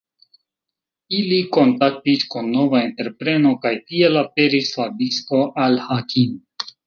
Ili kontaktis kun nova entrepreno kaj tiel aperis la disko "Al-Hakim".